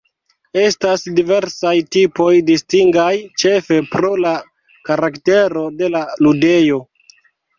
Estas diversaj tipoj distingaj ĉefe pro la karaktero de la ludejo.